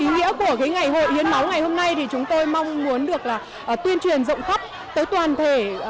ý nghĩa của ngày hội hiến máu ngày hôm nay thì chúng tôi mong muốn được tuyên truyền rộng khắp tới toàn thể